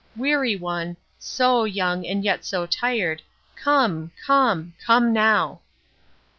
Weary one, so young and yet so tired, come, come, come now."